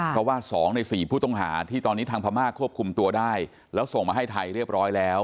เพราะว่า๒ใน๔ผู้ต้องหาที่ตอนนี้ทางพม่าควบคุมตัวได้แล้วส่งมาให้ไทยเรียบร้อยแล้ว